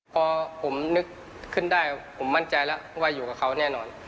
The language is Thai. พอผมนึกขึ้นได้ผมมั่นใจแล้วว่าอยู่กับเขาแน่นอน